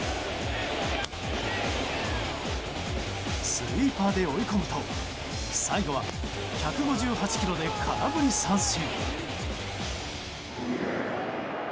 スイーパーで追い込むと最後は１５８キロで空振り三振。